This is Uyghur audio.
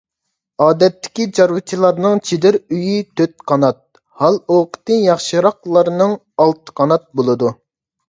ئادەتتىكى چارۋىچىلارنىڭ چېدىر ئۆيى تۆت قانات، ھال-ئوقىتى ياخشىراقلارنىڭ ئالتە قانات بولىدۇ.